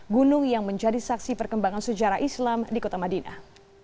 gunung yang menjadi saksi perkembangan sejarah islam di kota madinah